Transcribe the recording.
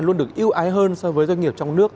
luôn được ưu ái hơn so với doanh nghiệp trong nước